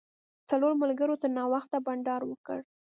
څلورو ملګرو تر ناوخته بانډار وکړ.